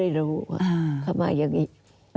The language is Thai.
อันดับ๖๓๕จัดใช้วิจิตร